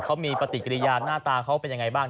สีหน้าสีตาเป็นอย่างไรบ้าง